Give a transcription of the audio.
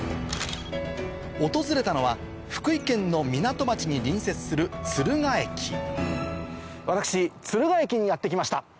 訪れたのは福井県の港町に隣接する敦賀駅私敦賀駅にやって来ました。